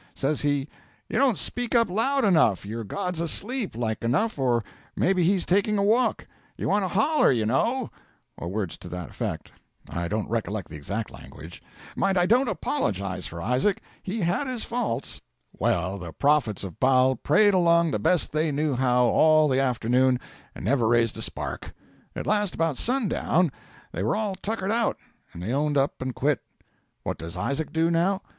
Says he, "You don't speak up loud enough; your god's asleep, like enough, or may be he's taking a walk; you want to holler, you know," or words to that effect; I don't recollect the exact language. Mind I don't apologise for Isaac; he had his faults. 'Well, the prophets of Baal prayed along the best they knew how all the afternoon, and never raised a spark. At last, about sundown, they were all tuckered out, and they owned up and quit. 'What does Isaac do, now?